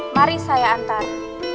mari saya antar